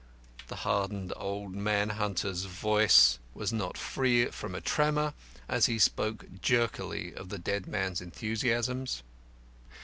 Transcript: (The hardened old man hunter's voice was not free from a tremor as he spoke jerkily of the dead man's enthusiasms.)